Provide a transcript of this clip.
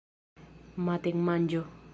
matenmanĝo